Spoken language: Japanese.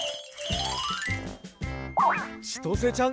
ちとせちゃん